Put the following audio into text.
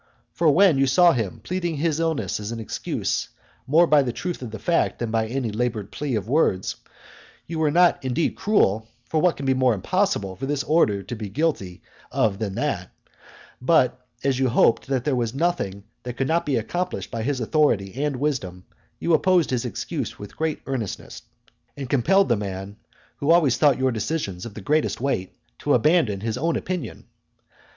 For when you saw him pleading his illness as an excuse more by the truth of the fact than by any laboured plea of words, you were not indeed cruel, (for what can be more impossible for this order to be guilty of than that,) but as you hoped that there was nothing that could not be accomplished by his authority and wisdom, you opposed his excuse with great earnestness, and compelled the man, who had always thought your decisions of the greatest weight, to abandon his own opinion.